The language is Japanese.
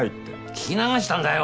聞き流したんだよ！